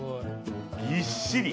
ぎっしり。